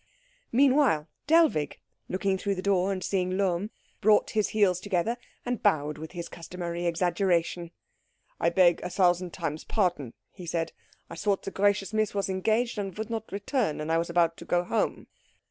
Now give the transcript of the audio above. Meanwhile Dellwig, looking through the door and seeing Lohm, brought his heels together and bowed with his customary exaggeration. "I beg a thousand times pardon," he said; "I thought the gracious Miss was engaged and would not return, and I was about to go home."